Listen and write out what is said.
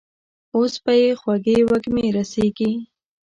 اوس به يې خوږې وږمې رسېږي.